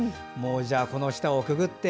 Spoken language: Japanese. この下をくぐって